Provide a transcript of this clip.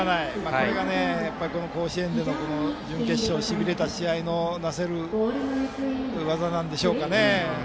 これがこの甲子園でのしびれた試合のなせる業なんでしょうかね。